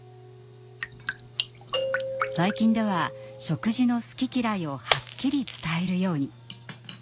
最近では食事の好き嫌いをはっきり伝えるように。